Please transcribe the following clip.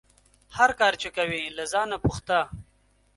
هر کار چې کوې له ځانه پوښته